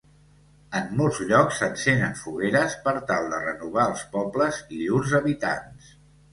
En molts llocs s'encenen fogueres per tal de renovar els pobles i llurs habitants.